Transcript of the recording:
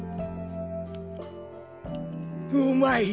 うまい！